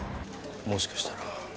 もしかしたら。